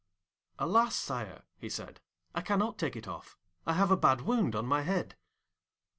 'Alas, Sire,' he said, 'I cannot take it off, I have a bad wound on my head.'